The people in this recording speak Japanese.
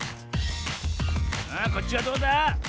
あこっちはどうだ？